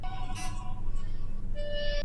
د مطالعې په برخه کي باید مرسته وشي.